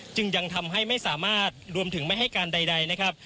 จึงยังทำให้ไม่สามารถรวมถึงไม่ให้การใดนะครับ